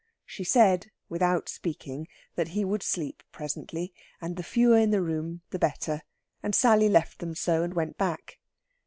She said without speaking that he would sleep presently, and the fewer in the room the better, and Sally left them so, and went back.